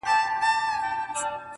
• ما منلی پر ځان حکم د سنګسار دی,